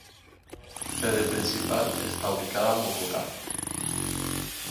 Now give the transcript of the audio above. Su sede principal está ubicada en Bogotá.